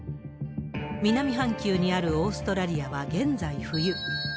南半球にあるオーストラリアは現在冬。